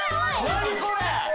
・何これ！